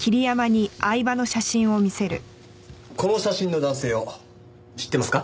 この写真の男性を知ってますか？